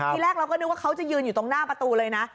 ทีแรกเราก็นึกว่าเขาจะยืนอยู่ตรงหน้าประตูเลยนะ